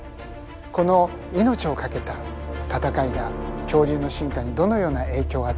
この命を懸けた戦いが恐竜の身体にどのような影響を与えたのか。